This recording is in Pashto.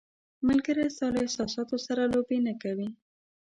ملګری ستا له احساساتو سره لوبې نه کوي.